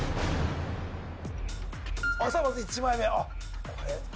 まず１枚目あっこれ。